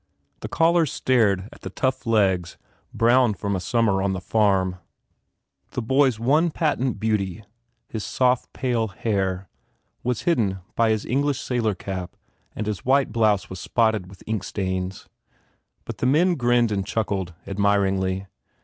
The callers stared at the tough legs brown from summer on the farm. The boy s 49 THE FAIR REWARDS one patent beauty, his soft, pale hair, was hidden by his English sailor cap and his white blouse was spotted with ink stains. But the men grinned and chuckled, admiringly.